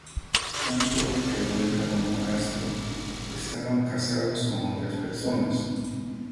Tanto Revuelta como Castro estaban casados con otras personas.